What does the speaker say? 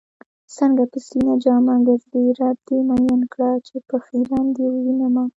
څنګه په سپينه جامه ګرځې رب دې مئين کړه چې خيرن دې ووينمه